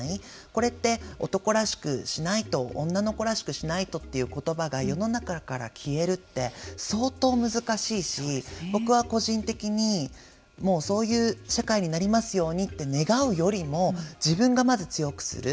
これって、男らしくしないと男の子らしくしないとということばが世の中から消えるって相当難しいし僕は個人的にそういう社会になりますようにって願うよりも自分がまず強くする。